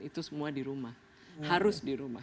itu semua di rumah harus di rumah